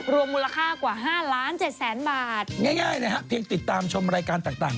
รวมราคากว่า๕๗๐๐๐๐๐บาทง่ายนะฮะเพียงติดตามชมรายการต่าง